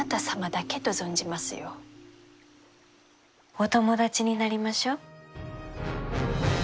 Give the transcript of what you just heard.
お友達になりましょう。